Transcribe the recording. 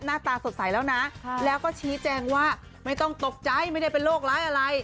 หน้าตาสดใสแล้วนะแล้วก็ชี้แจงว่าไม่ต้องตกใจไม่ได้เป็นโรคร้ายอะไร